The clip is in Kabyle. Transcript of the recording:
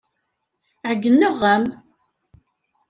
Ɛeyyneɣ-am.